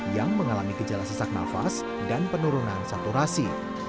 yang mengalami gejala sesak nafas dan penurunan saturasi